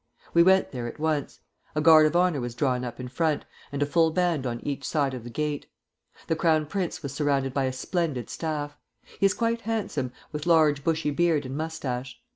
We went there at once. A guard of honor was drawn up in front, and a full band on each side of the gate. The Crown Prince was surrounded by a splendid staff. He is quite handsome, with large bushy beard and moustache.